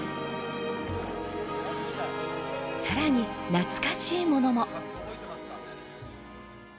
さらに、懐かしいものも。